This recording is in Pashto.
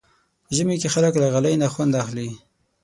په ژمي کې خلک له غالۍ نه خوند اخلي.